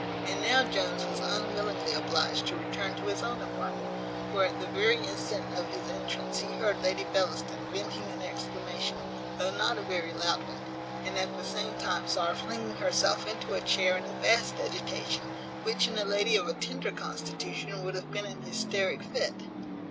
And now Jones was unwillingly obliged to return to his own apartment, where at the very instant of his entrance he heard Lady Bellaston venting an exclamation, though not a very loud one; and at the same time saw her flinging herself into a chair in a vast agitation, which in a lady of a tender constitution would have been an hysteric fit.